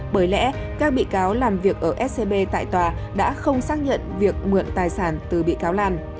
bởi lẽ các bị cáo làm việc ở scb tại tòa đã không xác nhận việc mượn tài sản từ bị cáo lan